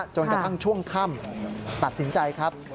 จนกระทั่งช่วงค่ำตัดสินใจครับ